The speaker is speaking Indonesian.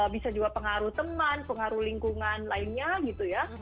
bisa juga pengaruh teman pengaruh lingkungan lainnya gitu ya